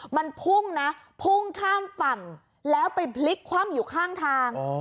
มันพุ่งนะพุ่งข้ามฝั่งแล้วไปพลิกคว่ำอยู่ข้างทาง